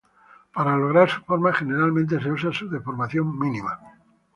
Para lograr su forma generalmente se usa su deformación mínima.